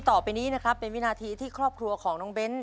ต่อไปนี้นะครับเป็นวินาทีที่ครอบครัวของน้องเบ้น